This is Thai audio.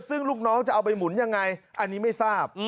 ซึ่งลูกน้องจะเอาไปหมุนยังไงอันนี้ไม่ทราบ